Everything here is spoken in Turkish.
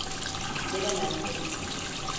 Gelemezsin.